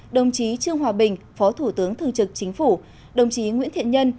đồng chí trương hòa bình phó thủ tướng thường trực chính phủ đồng chí nguyễn thiện nhân